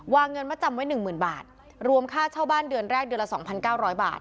เงินมาจำไว้๑๐๐๐บาทรวมค่าเช่าบ้านเดือนแรกเดือนละ๒๙๐๐บาท